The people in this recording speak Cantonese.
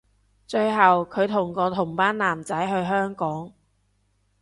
最後距同個同班男仔去香港